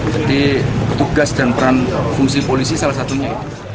jadi tugas dan peran fungsi polisi salah satunya